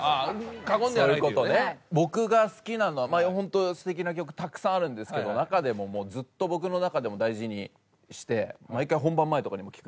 僕が好きなのは本当素敵な曲たくさんあるんですけど中でももうずっと僕の中でも大事にして毎回本番前とかにも聴く曲があって。